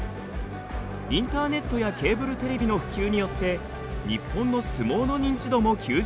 インターネットやケーブルテレビの普及によって日本の相撲の認知度も急上昇。